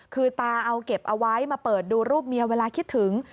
คือตาเอาเก็บเอาไว้มาเปิดดูรูปเมียเวลาคิดถึง